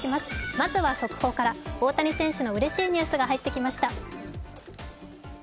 まずは速報から大谷選手のうれしいニュースが入ってきました。